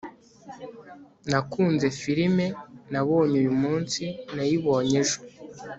nakunze firime nabonye uyumunsi nayibonye ejo